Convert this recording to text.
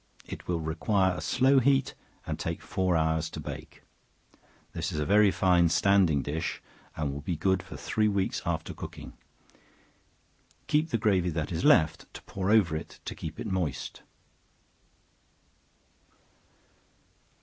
It will require a slow heat, and take four hours to bake. This is a very fine standing dish, and will be good for three weeks after cooking. Keep the gravy that is left to pour over it to keep it moist.